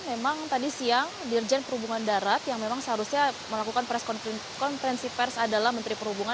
memang tadi siang dirjen perhubungan darat yang memang seharusnya melakukan presensi pers adalah menteri perhubungan